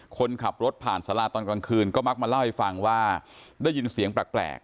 คนขับรถผ่านสาราตอนกลางคืนก็มักมาเล่าให้ฟังว่าได้ยินเสียงแปลก